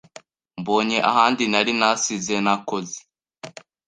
Mbonye ahandi nari nasize nakoze